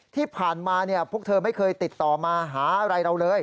ที่ผ่านมาพวกเธอไม่เคยติดต่อมาหาอะไรเราเลย